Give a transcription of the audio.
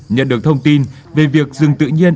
nhận được thông tin về việc rừng tự nhiên